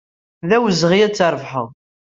D awezɣi ad t-trebḥeḍ.